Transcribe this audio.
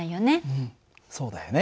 うんそうだよね。